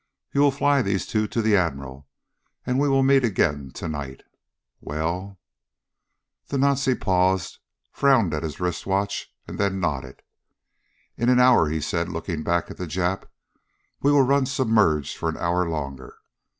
You will fly these two to the Admiral, and we will meet again tonight. We'll " The Nazi paused, frowned at his wrist watch, and then nodded. "In an hour," he said, looking back at the Jap. "We will run submerged for an hour longer.